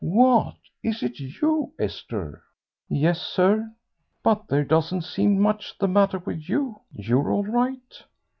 "What! is it you, Esther?" "Yes, sir." "But there doesn't seem much the matter with you. You're all right."